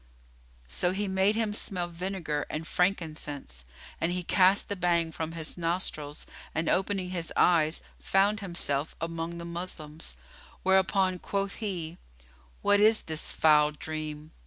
So he made him smell vinegar[FN#22] and frankincense; and he cast the Bhang from his nostrils and, opening his eyes, found himself among the Moslems; whereupon quoth he, "What is this foul dream?"